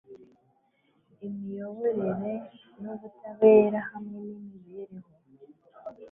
imiyoborere n ubutabera hamwe n imibereho